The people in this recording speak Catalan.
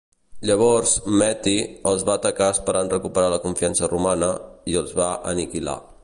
Llavors Meti els va atacar esperant recuperar la confiança romana, i els va aniquilar.